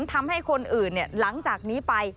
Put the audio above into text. ทำให้คนอื่นหลังจากนี้ไป